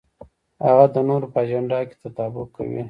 هغه د نورو په اجنډا کې تطابق کوي.